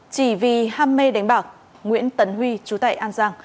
chỉ vì ham mê đánh bạc nguyễn tấn huy chú tại an giang